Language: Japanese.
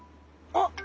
あっ！